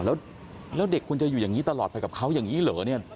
แล้วเด็กคุณจะอยู่อย่างนี้ตลอดไปกับเขาอย่างนี้เหรอเนี่ย